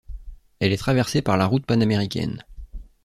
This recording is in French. Elle est traversée par la route panaméricaine.